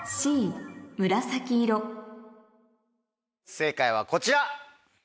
正解はこちら！